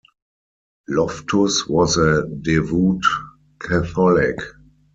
Loftus was a devout Catholic.